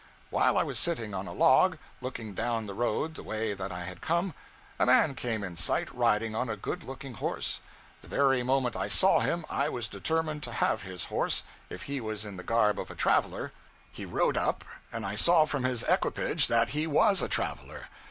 While I was sitting on a log, looking down the road the way that I had come, a man came in sight riding on a good looking horse. The very moment I saw him, I was determined to have his horse, if he was in the garb of a traveler. He rode up, and I saw from his equipage that he was a traveler.